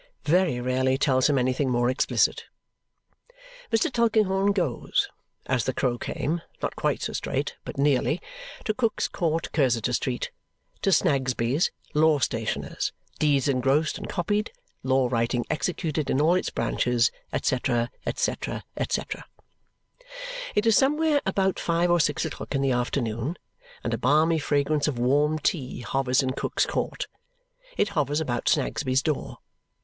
Very rarely tells him anything more explicit. Mr. Tulkinghorn goes, as the crow came not quite so straight, but nearly to Cook's Court, Cursitor Street. To Snagsby's, Law Stationer's, Deeds engrossed and copied, Law Writing executed in all its branches, &c., &c., &c. It is somewhere about five or six o'clock in the afternoon, and a balmy fragrance of warm tea hovers in Cook's Court. It hovers about Snagsby's door.